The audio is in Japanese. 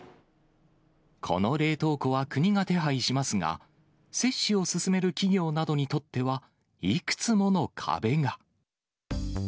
この冷凍庫は国が手配しますが、接種を進める企業などにとっては、いくつもの壁が。